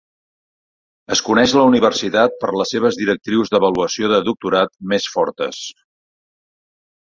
Es coneix la universitat per les seves directrius d'avaluació de doctorat més fortes.